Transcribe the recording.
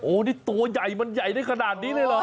นี่ตัวใหญ่มันใหญ่ได้ขนาดนี้เลยเหรอ